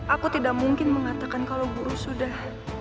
aku tidak mungkin mengatakan kalau guru sudah